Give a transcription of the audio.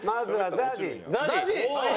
ＺＡＺＹ。